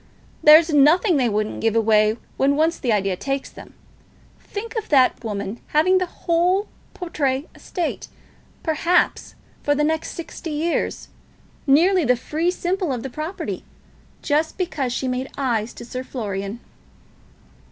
"There's nothing they wouldn't give away when once the idea takes them. Think of that woman having the whole Portray estate, perhaps for the next sixty years, nearly the fee simple of the property, just because she made eyes to Sir Florian!"